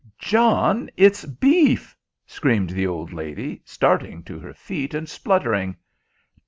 "John, it's beef!" screamed the old lady, starting to her feet and spluttering.